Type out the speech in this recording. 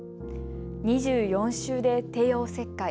２４週で帝王切開。